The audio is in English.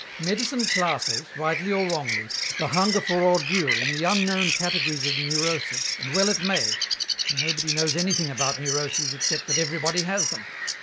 Medicine classes, rightly or wrongly, the hunger for ordure in the unknown categories of neurosis, and well it may, for nobody knows anything about neuroses except that everybody has them.